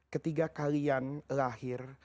ketika kalian lahir